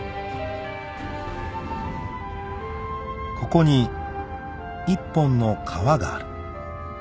［ここに一本の川がある］